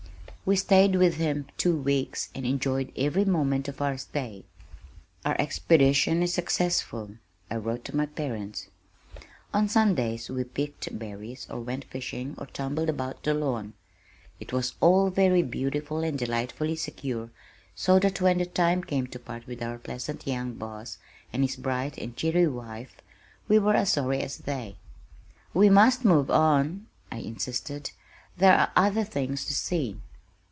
We stayed with him two weeks and enjoyed every moment of our stay. "Our expedition is successful," I wrote to my parents. On Sundays we picked berries or went fishing or tumbled about the lawn. It was all very beautiful and delightfully secure, so that when the time came to part with our pleasant young boss and his bright and cheery wife, we were as sorry as they. "We must move on," I insisted. "There are other things to see."